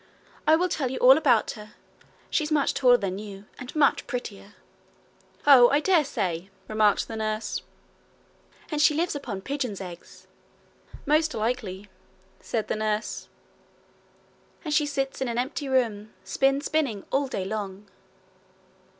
'I will tell you all about her. She's much taller than you, and much prettier.' 'Oh, I dare say!' remarked the nurse. 'And she lives upon pigeons' eggs.' 'Most likely,' said the nurse. 'And she sits in an empty room, spin spinning all day long.'